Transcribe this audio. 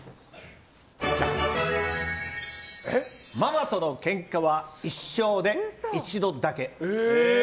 ママとのけんかは一生で一度だけ。